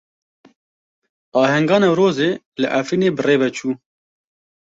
Ahenga Newrozê li Efrînê birêve çû.